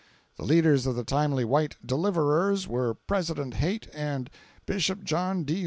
The leaders of the timely white "deliverers" were President Haight and Bishop John D.